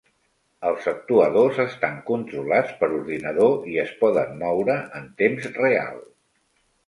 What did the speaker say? Els actuadors estan controlats per ordinador i es poden moure en temps real.